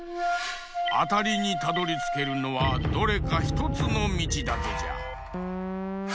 あたりにたどりつけるのはどれかひとつのみちだけじゃ。